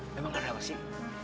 memang ada apa sih